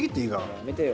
やめてよ